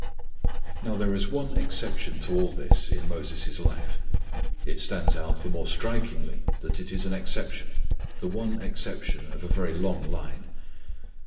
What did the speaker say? Now there is one exception to all this in Moses' life. It stands out the more strikingly that it is an exception; the one exception of a very long line.